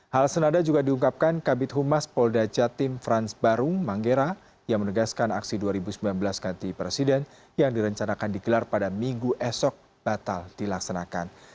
hal senada juga diungkapkan kabit humas polda jatim frans barung manggera yang menegaskan aksi dua ribu sembilan belas ganti presiden yang direncanakan digelar pada minggu esok batal dilaksanakan